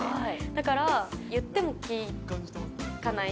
だから、言っても聞かない。